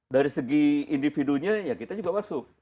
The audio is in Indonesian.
dari segi individunya ya kita juga masuk